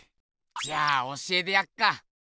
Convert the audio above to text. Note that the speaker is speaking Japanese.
じゃあ教えてやっか！